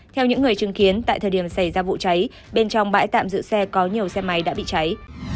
theo những người chứng kiến tại thời điểm xảy ra vụ cháy bên trong bãi tạm giữ xe có nhiều xe máy đã bị cháy